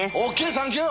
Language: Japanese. サンキュー！